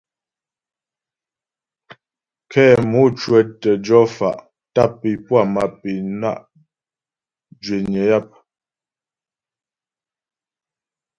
Kɛ mò cwə̌tə jɔ fa' tâp é puá mâp é na' zhwényə yap.